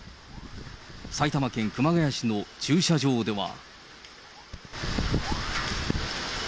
埼玉県熊谷市の駐車場では。